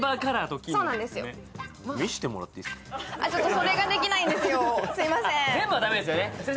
それができないんですよ、すみません。